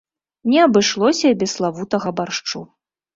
Не абышлося і без славутага баршчу.